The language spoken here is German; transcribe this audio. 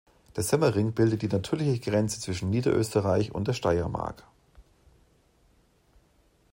Der Semmering bildet die natürliche Grenze zwischen Niederösterreich und der Steiermark.